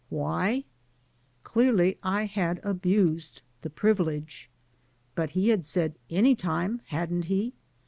Why? Clearly I had abused the privilege. But he had said "any time,'* hadn't he?